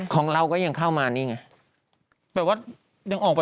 เขาอยู่ก่อนที่จะปิดประเทศหรือปะคะ